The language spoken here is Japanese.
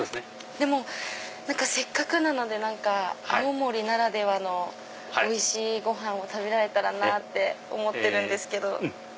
でもせっかくなので青森ならではのおいしいごはんを食べられたらなって思ってるんですけど。